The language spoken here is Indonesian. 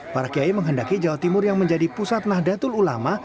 para kiai menghendaki jawa timur yang menjadi pusat nahdlatul ulama